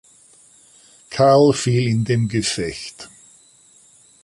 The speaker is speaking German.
Karl fiel in dem Gefecht.